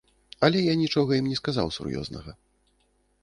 Але я нічога ім не сказаў сур'ёзнага.